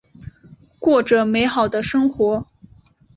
过着美好的生活。